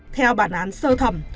theo bản án sơ thẩm